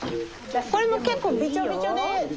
これも結構びちょびちょで。